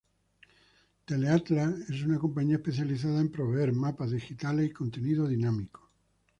Tele Atlas es una compañía especializada en proveer mapas digitales y contenido dinámico.